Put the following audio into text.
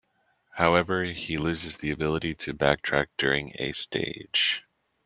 However, he loses the ability to backtrack during a stage.